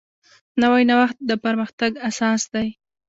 نوی نوښت د پرمختګ اساس دی